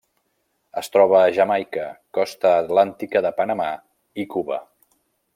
Es troba a Jamaica, costa atlàntica de Panamà i Cuba.